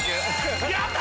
やった！